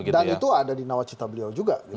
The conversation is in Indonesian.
dan itu ada di nawacita beliau juga